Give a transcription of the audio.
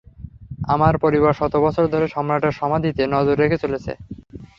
আমার পরিবার শতবছর ধরে সম্রাটের সমাধিতে নজর রেখে চলেছে!